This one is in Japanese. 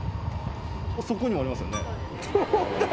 そこにもありますよね。